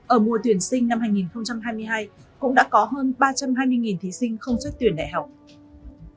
ở mùa tuyển sinh năm hai nghìn hai mươi hai cũng đã có hơn ba trăm hai mươi thí sinh không xét tuyển đại học